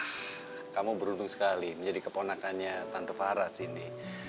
wah kamu beruntung sekali menjadi keponakannya tante farah sindi